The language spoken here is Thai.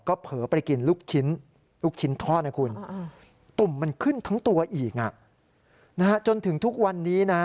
เผลอไปกินลูกชิ้นลูกชิ้นทอดนะคุณตุ่มมันขึ้นทั้งตัวอีกจนถึงทุกวันนี้นะ